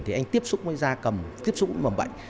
thì anh tiếp xúc với da cầm tiếp xúc với mầm bệnh